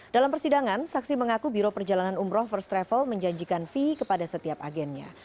dalam persidangan saksi mengaku biro perjalanan umroh first travel menjanjikan fee kepada setiap agennya